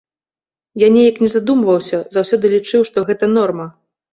Я неяк не задумваўся, заўсёды лічыў, што гэта норма.